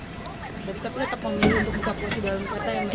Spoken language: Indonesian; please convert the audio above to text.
tapi tetap mau pergi untuk buka puasa dalam kereta ya